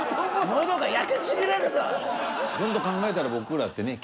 考えたら僕らってね′